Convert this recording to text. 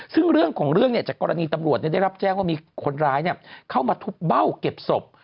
ซึ่งเรื่องของเรื่องจากกรณีตำรวจได้รับแจ้งว่ามีคนร้ายเข้ามาทุบเบ้าเก็บศพ